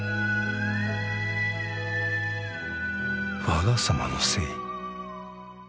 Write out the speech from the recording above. わが様のせい